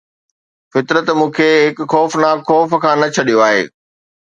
فطرت مون کي هڪ خوفناڪ خوف کان نه ڇڏيو آهي